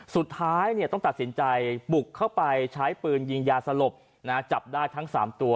สุดท้ายต้องตัดสินใจบุกเข้าไปใช้ปืนยิงยาสลบจับได้ทั้ง๓ตัว